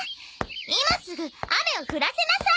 今すぐ雨を降らせなさい！